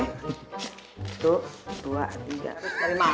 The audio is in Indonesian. satu dua tiga empat